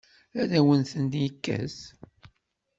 Ad awen-tent-yekkes?